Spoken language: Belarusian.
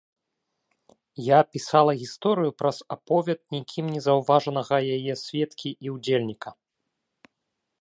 Я пісала гісторыю праз аповед нікім не заўважанага яе сведкі і ўдзельніка.